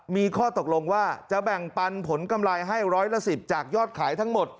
มีข้อตกลงว่าจะแบ่งปันผลกำไรให้ร้อยละ๑๐จากยอดขายทั้งหมด